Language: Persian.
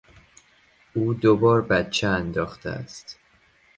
او دوبار بچه انداخته است.